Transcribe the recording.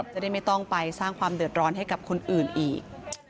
จะได้ไม่ต้องไปสร้างความเดือดร้อนให้กับคนอื่นอีก